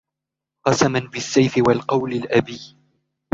قسما بالسيف والقول الأبي